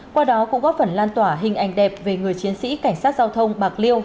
qua đó cũng góp phần lan tỏa hình ảnh đẹp về người chiến sĩ cảnh sát giao thông bạc liêu